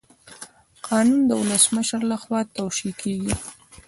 قانون د ولسمشر لخوا توشیح کیږي.